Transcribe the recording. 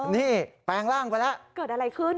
นี่แปลงร่างไปแล้ว